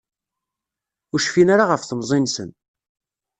Ur cfin ara ɣef temẓi-nsen.